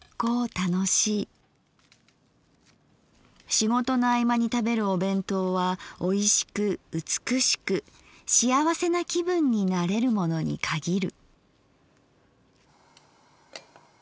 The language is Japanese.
仕事の合間に食べるお弁当は美味しく美しくしあわせな気分になれるものに限る」。